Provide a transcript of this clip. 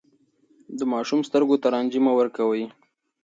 د ماشوم سترګو ته رنجې مه ورکوئ.